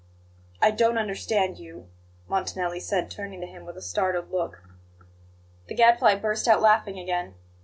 "I don't understand you," Montanelli said, turning to him with a startled look. The Gadfly burst out laughing again.